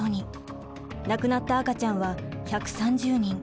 亡くなった赤ちゃんは１３０人。